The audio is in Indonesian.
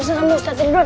sambung ustadz tiduran